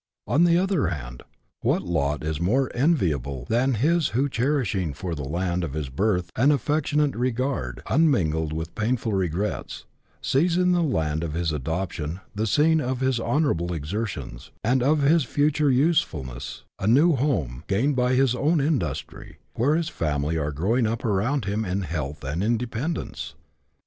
On the other hand, what lot is more enviable than his who, cherishing for the land of his birth an affectionate regard, un mingled with painful regrets, sees in the land of his adoption the scene of his honourable exertions, and of his future useful ness, a new home, gained by his own industry, where his family are growing up around him in health and independence